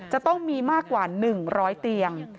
จะต้องมีมากกว่า๑๐๐เตียง